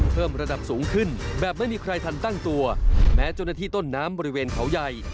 เพิ่มระดับสูงขึ้นแบบไม่มีใครทันตั้งตัวแม้เจ้าหน้าที่ต้นน้ำบริเวณเขาใหญ่